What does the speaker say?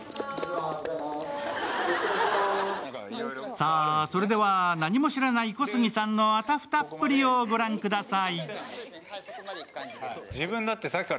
さあ、それでは何も知らない小杉さんのあたふたっぷりをご覧ください。